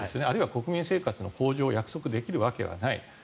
あるいは国民生活の向上を約束できるわけはない。